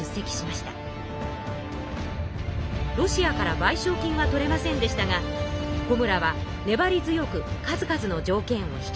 ロシアからばいしょう金は取れませんでしたが小村はねばり強く数々の条件を引き出しました。